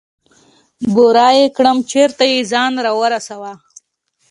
بوره يې کړم چېرته يې ځان راورسوه.